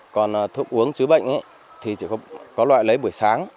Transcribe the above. còn thuốc uống chữa bệnh thì chỉ có loại lấy buổi sáng